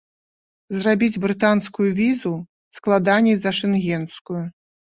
Зрабіць брытанскую візу складаней за шэнгенскую.